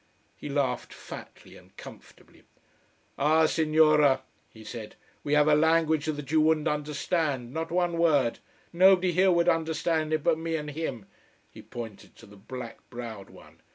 He laughed fatly and comfortably. "Ah Signora," he said. "We have a language that you wouldn't understand not one word. Nobody here would understand it but me and him " he pointed to the black browed one.